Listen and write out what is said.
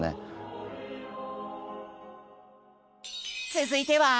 続いては？